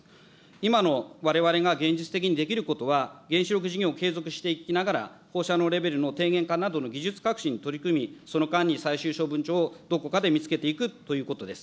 今のわれわれが現実的にできることは、原子力事業を継続していきながら、放射能レベルの低減化などの技術革新に取り組み、その間に最終処分場をどこかで見つけていくということです。